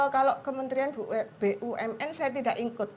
kalau kementerian bumn saya tidak ikut